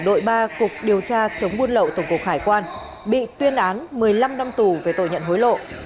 đội ba cục điều tra chống buôn lậu tổng cục hải quan bị tuyên án một mươi năm năm tù về tội nhận hối lộ